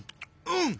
うん。